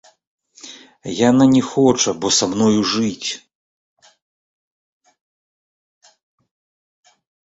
Яна не хоча бо са мною жыць!